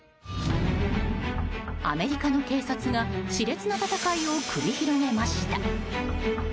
アメリカの警察が熾烈な戦いを繰り広げました。